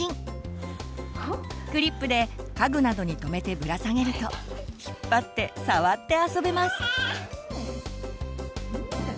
クリップで家具などにとめてぶらさげると引っ張って触って遊べます。